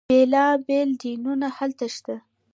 بیلا بیل دینونه هلته شته.